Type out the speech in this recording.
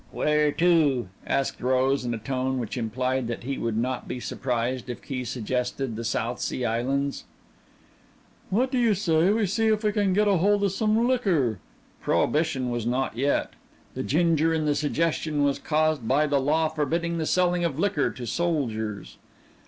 "Where to?" asked Rose, in a tone which implied that he would not be surprised if Key suggested the South Sea Islands. "What you say we see if we can getta holda some liquor?" Prohibition was not yet. The ginger in the suggestion was caused by the law forbidding the selling of liquor to soldiers.